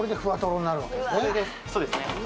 そうですね。